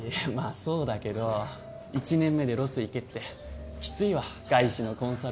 そうだけど１年目でロス行けってきついわ外資のコンサル。